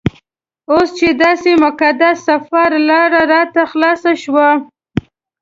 اوس چې داسې مقدس سفر لاره راته خلاصه شوه.